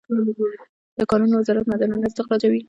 د کانونو وزارت معدنونه استخراجوي